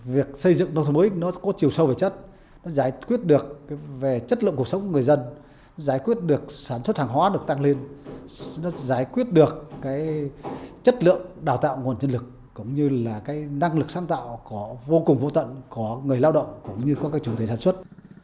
việc xây dựng nông thông mới nó có chiều sâu về chất giải quyết được về chất lượng cuộc sống của người dân giải quyết được sản xuất hàng hóa được tăng lên giải quyết được chất lượng đào tạo nguồn nhân lực cũng như là năng lực sáng tạo có vô cùng vô tận có người lao động cũng như có các chủ tế sản xuất